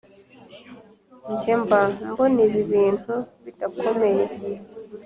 njye mba mbona ibi bintu bidakomeye